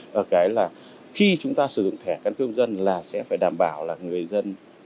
và cái là khi chúng ta sử dụng thẻ căn cước công dân là sẽ phải đảm bảo là người dân